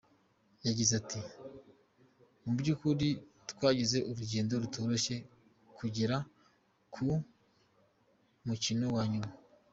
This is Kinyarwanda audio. Yagize ati:” Mu by’ukuri twagize urugendo rutoroshye kugera ku mukino wa nyuma.